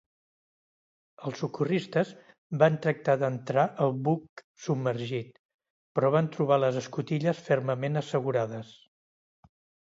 Els socorristes van tractar d'entrar al buc submergit, però van trobar les escotilles fermament assegurades.